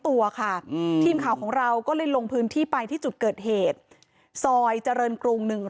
อ๋อบอกว่าอย่างนี้อีกแล้วนางแดงบอกว่าคือในชุมชนก็ไม่เคยเกิดเรื่องแบบนี้มาก่อนนะคะ